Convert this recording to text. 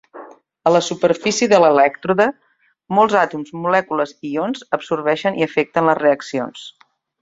A la superfície de l"elèctrode, molts àtoms, molècules i ions absorbeixen i afecten les reaccions.